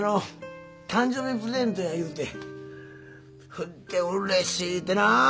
ほでうれしいてなあ。